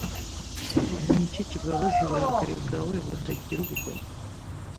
Ni iki kibabaza uburakari bwawe butagira ubugome